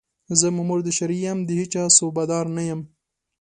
زه مامور د شرعي یم، د هېچا صوبه دار نه یم